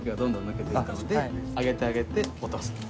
上げてあげて落とすと。